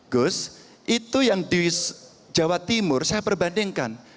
gus itu yang di jawa timur saya perbandingkan